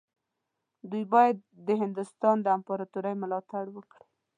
دوی باید د هندوستان د امپراطورۍ ملاتړ وکړي.